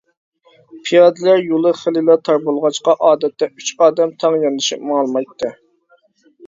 پىيادىلەر يولى خېلىلا تار بولغاچقا ئادەتتە ئۇچ ئادەم تەڭ ياندىشىپ ماڭالمايتتى.